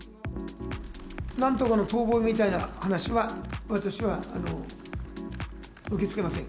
なんとかの遠ぼえみたいな話は、私は受け付けません。